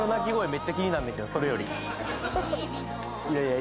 めっちゃ気になんねんけどそれよりははっいやいや